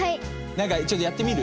なんかちょっとやってみる？